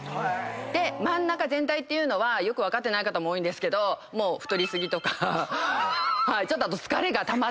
真ん中全体っていうのはよく分かってない方も多いんですけど太り過ぎとかちょっと疲れがたまってる。